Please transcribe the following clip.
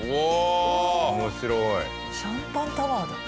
シャンパンタワーだ。